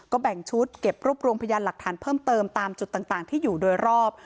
แบ่งชุดเก็บรวบรวมพยานหลักฐานเพิ่มเติมตามจุดต่างที่อยู่โดยรอบ